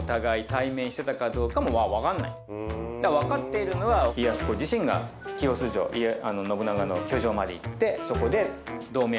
分かっているのは家康公自身が清洲城信長の居城まで行ってそこで。